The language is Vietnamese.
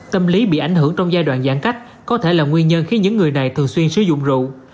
tâm lý bị ảnh hưởng trong giai đoạn giãn cách có thể là nguyên nhân khiến những người này thường xuyên sử dụng rượu